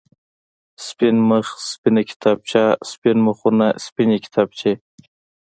سپين مخ، سپينه کتابچه، سپين مخونه، سپينې کتابچې.